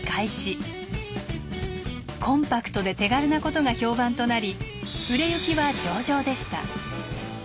コンパクトで手軽なことが評判となり売れ行きは上々でした。